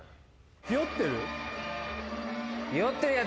「ひよってる？」